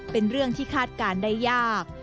เป็นเรื่องที่คาดการณ์ได้ยาก